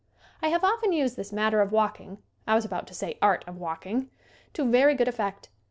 I have often used this matter of walking I was about to say art of walking to very good effect.